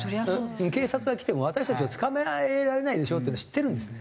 警察が来ても私たちを捕まえられないでしょっていうのを知ってるんですね。